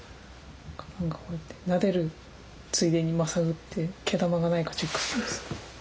こうやってなでるついでにまさぐって毛玉がないかチェックするんです。